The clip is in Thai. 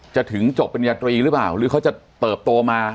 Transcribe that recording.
ถึงจบปริญญาตรีหรือเปล่าหรือเขาจะเติบโตมา